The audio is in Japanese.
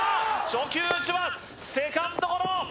初球打ちはセカンドゴロ！